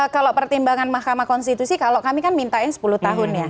kalau pertimbangan mahkamah konstitusi kalau kami kan mintain sepuluh tahun ya